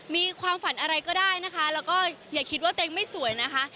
มีความฝันอะไรก็ได้นะคะแล้วก็อย่าคิดว่าตัวเองไม่สวยนะคะ